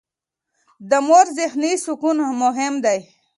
د مور ذهني سکون مهم دی.